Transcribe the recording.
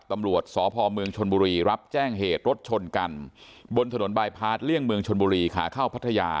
ตำรวจสพเมืองชนบุรีรับแจ้งเหตุรถชนกันบนถนนบายพาร์ทเลี่ยงเมืองชนบุรีขาเข้าพัทยา